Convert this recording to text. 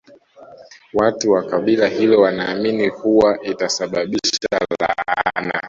Watu wa kabila hilo wanaamini kuwa itasababisha laana